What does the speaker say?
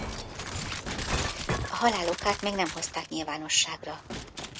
A halál okát még nem hozták nyilvánosságra.